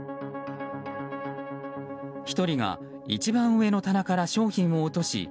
１人が一番上の棚から商品を落とし